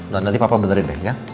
nanti papa benerin deh ya